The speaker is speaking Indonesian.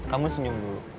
kamu senyum dulu